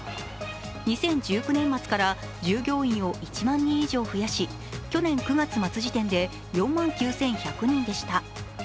２０１９年末から従業員を１万人以上増やし去年９月末時点で４万９１００人でした。